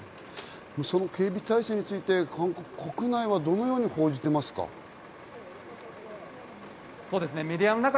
警備態勢について韓国国内はどう報じていますか？